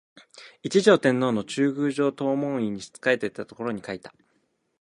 一条天皇の中宮上東門院（藤原道長の娘彰子）に仕えていたころに書いた